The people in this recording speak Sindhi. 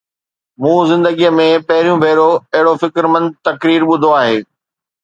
مون زندگيءَ ۾ پهريون ڀيرو اهڙو فڪرمند تقرير ٻڌو آهي.